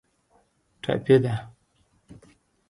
ټپي ده.